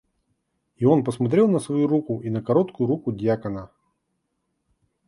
И он посмотрел на свою руку и на короткую руку дьякона.